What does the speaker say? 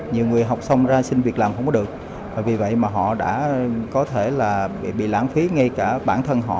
nhiều người học xong ra xin việc làm không được vì vậy họ đã có thể bị lãng phí ngay cả bản thân họ